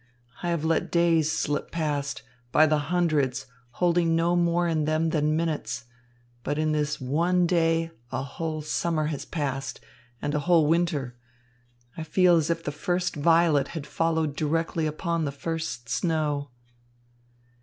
I have let days slip past, by the hundreds, holding no more in them than minutes. But in this one day, a whole summer has passed, and a whole winter. I feel as if the first violet had followed directly upon the first snow."